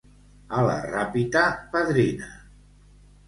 A la Ràpita, padrina.